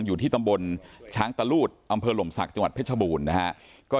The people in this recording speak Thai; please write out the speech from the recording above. อยู่ที่ตำบลช้างตะลูดอำเภอหลมศักดิ์จังหวัดเพชรบูรณ์นะฮะ